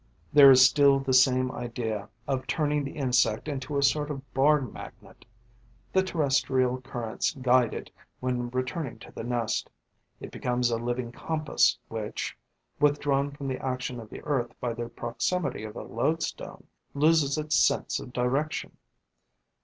There is still the same idea of turning the insect into a sort of bar magnet. The terrestrial currents guide it when returning to the nest. It becomes a living compass which, withdrawn from the action of the earth by the proximity of a loadstone, loses its sense of direction.